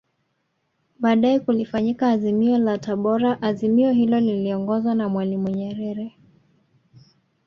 Baadae kulifanyika Azimio la Tabora Azimio hilo liliongozwa na Mwalimu Nyerere